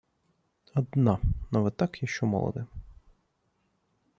– Одна! Но вы так еще молоды.